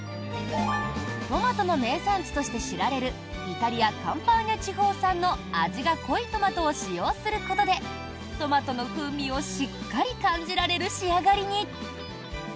トマトの名産地として知られるイタリア・カンパーニャ地方産の味が濃いトマトを使用することでトマトの風味をしっかり感じられる仕上がりに。